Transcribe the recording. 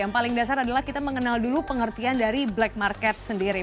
yang paling dasar adalah kita mengenal dulu pengertian dari black market sendiri